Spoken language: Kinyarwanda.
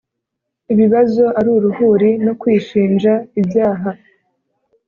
ibibazo aruruhuri.nokwishinja ibyaha.